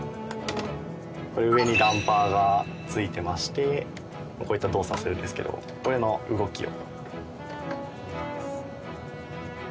これ上にダンパーが付いてましてこういった動作するんですけどこれの動きを。